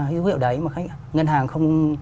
hữu hiệu đấy mà ngân hàng không